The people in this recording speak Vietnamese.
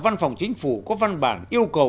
văn phòng chính phủ có văn bản yêu cầu